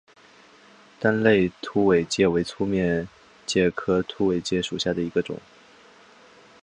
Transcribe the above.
单肋凸尾介为粗面介科凸尾介属下的一个种。